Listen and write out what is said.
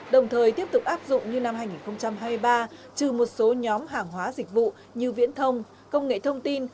đồng thời tiếp tục áp dụng như năm hai nghìn hai mươi ba trừ một số nhóm hàng hóa dịch vụ như viễn thông công nghệ thông tin